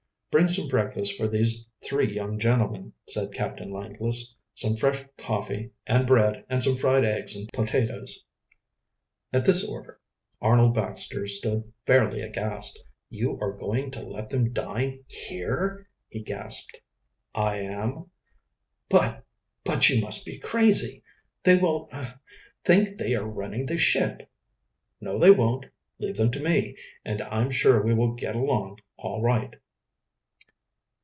"Bring some breakfast for these three young gentlemen," said Captain Langless. "Some fresh coffee and bread and some fried eggs and potatoes." At this order Arnold Baxter stood fairly aghast. "You are going to let them dine here?" he gasped. "I am." "But but you must be crazy. They will er think they are running the ship!" "No, they won't. Leave them to me, and I'm sure we will get along all right.